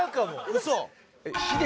ウソ！？